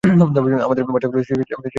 আমাদের বাচ্চাদেরও শিক্ষার অধিকার আছে কি নেই?